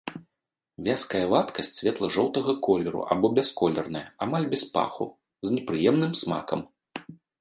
Вязкая вадкасць светла-жоўтага колеру або бясколерная, амаль без паху, з непрыемным смакам.